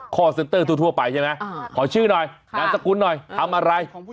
เซ็นเตอร์ทั่วไปใช่ไหมขอชื่อหน่อยนามสกุลหน่อยทำอะไร